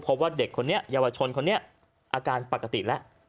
ว่าเด็กคนนี้เยาวชนคนนี้อาการปกติแล้ว